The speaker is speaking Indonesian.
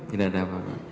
tidak ada apa apa